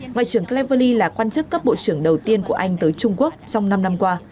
ngoại trưởng cleverley là quan chức cấp bộ trưởng đầu tiên của anh tới trung quốc trong năm năm qua